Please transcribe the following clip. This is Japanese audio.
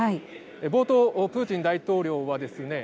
冒頭、プーチン大統領はですね